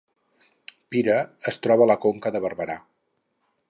Pira es troba a la Conca de Barberà